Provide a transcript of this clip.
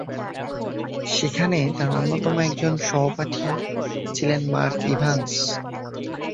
সেখানে তার অন্যতম একজন সহপাঠী ছিলেন মার্ক ইভান্স।